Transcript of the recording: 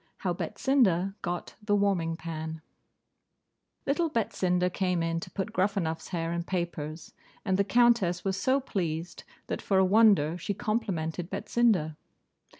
HOW BETSINDA GOT THE WARMING PAN Little Betsinda came in to put Gruffanuff's hair in papers; and the Countess was so pleased, that, for a wonder, she complimented Betsinda.